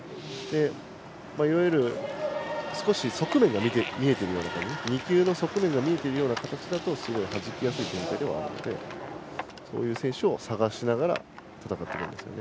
いわゆる、少し側面が見えているような形２球の側面が見えている形だとすごいはじきやすいところではあってそういう選手を探して戦うんですね。